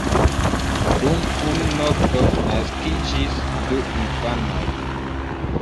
Dum unu nokto naskiĝis du infanoj.